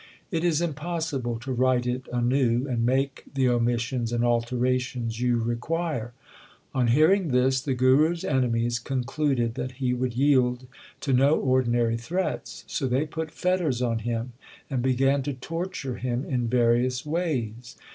It is impossible to write it anew, and make the omissions and altera tions you require. On hearing this the Guru s enemies concluded that he would yield to no ordinary threats, so they put fetters on him, and began to torture him in various ways.